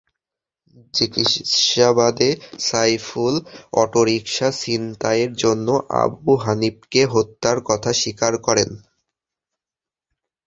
জিজ্ঞাসাবাদে সাইফুল অটোরিকশা ছিনতাইয়ের জন্য আবু হানিফাকে হত্যার কথা স্বীকার করেন।